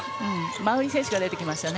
馬瓜選手が出てきましたね。